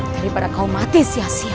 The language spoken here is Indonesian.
daripada kaum mati sia sia